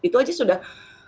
itu aja sudah